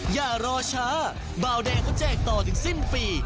อย่ารอช้าเบาแดงเขาแจกต่อถึงสิ้นปี